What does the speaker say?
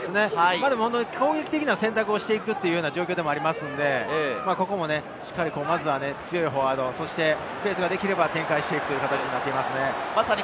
攻撃的な選択をしていく状況でもありますので、ここもしっかりまずは強いフォワード、スペースができれば展開していくという形になっていますね。